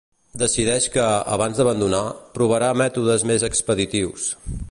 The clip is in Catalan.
Decideix que, abans d'abandonar, provarà mètodes més expeditius.